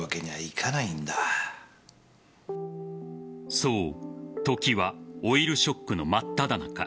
そう、時はオイルショックの真っただ中。